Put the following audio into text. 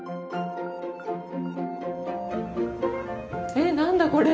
え何だこれ？